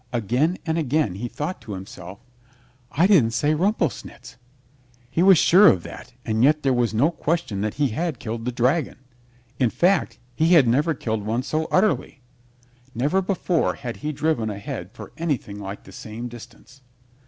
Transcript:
Again and again he thought to himself, "I didn't say 'Rumplesnitz'!" He was sure of that and yet there was no question that he had killed the dragon. In fact, he had never killed one so utterly. Never before had he driven a head for anything like the same distance.